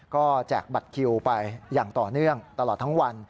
ก็แจกบัตรคิวไปอย่างต่อเนื่องตลอดทั้งวัน